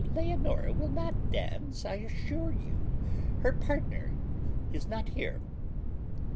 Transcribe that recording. Leonora will not dance, I assure you: her partner is not here."